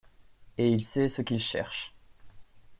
Et il sait ce qu’il cherche.